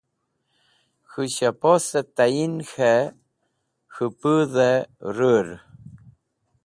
k̃hu shopos tayin k̃hay k̃hu pudhey rur